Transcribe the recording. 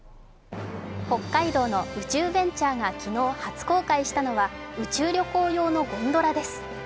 北海道の宇宙ベンチャーが昨日初公開したのは、宇宙旅行用のゴンドラです。